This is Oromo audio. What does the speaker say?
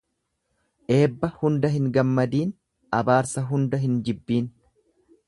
Eebba hunda hin gammadiin abaarsa hunda hin jibbiin.